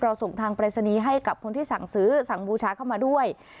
ส่งทางปรายศนีย์ให้กับคนที่สั่งซื้อสั่งบูชาเข้ามาด้วย